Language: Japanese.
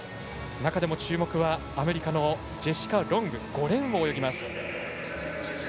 中でも注目はアメリカのジェシカ・ロング５レーンを泳ぎます。